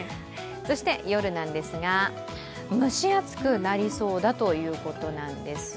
そして夜なんですが蒸し暑くなりそうということなんです。